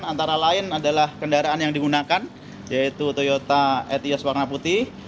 antara lain adalah kendaraan yang digunakan yaitu toyota atias warna putih